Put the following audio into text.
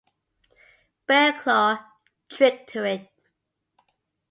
"Bear Claw": Trick to it.